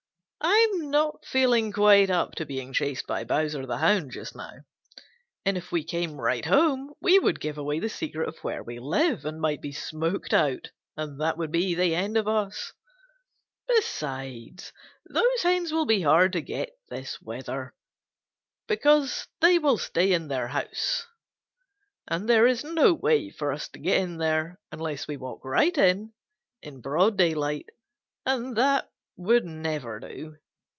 I'm not feeling quite up to being chased by Bowser the Hound just now, and if we came right home we would give away the secret of where we live and might be smoked out, and that would be the end of us. Besides, those hens will be hard to get this weather, because they will stay in their house, and there is no way for us to get in there unless we walk right in, in broad daylight, and that would never do.